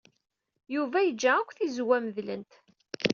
Yuba yeǧǧa akk tizewwa medlent.